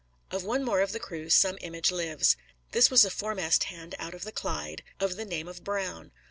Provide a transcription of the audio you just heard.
Of one more of the crew, some image lives. This was a foremast hand out of the Clyde, of the name of Brown.